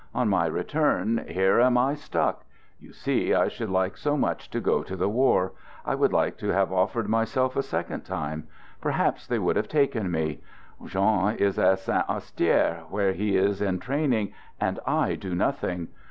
On my return, here am I stuck! — You see I should like so much to go to the war. I would like to have offered myself a second time. Perhaps they would have taken me. Jean is at Saint Astier, where he is in training, and I do nothing!